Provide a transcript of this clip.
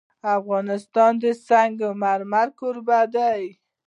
افغانستان د سنگ مرمر کوربه دی.